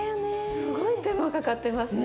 すごい手間かかってますね。